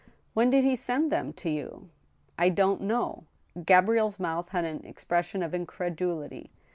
" When did he send them to you .^"" I don't know." Gabrielle's mouth had an expression of incredulity.